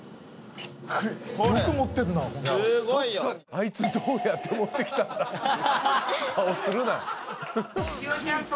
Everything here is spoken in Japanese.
「あいつどうやって持ってきたんだ？」って顔するな。